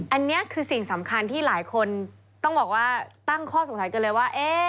อันนี้คือสิ่งสำคัญที่หลายคนต้องบอกว่าตั้งข้อสงสัยกันเลยว่า